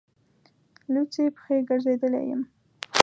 لوڅې پښې ګرځېدلی یم.